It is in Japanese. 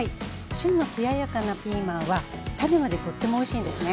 旬の艶やかなピーマンは種までとってもおいしいんですね。